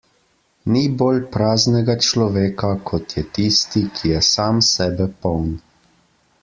Ni bolj praznega človeka, kot je tisti, ki je sam sebe poln.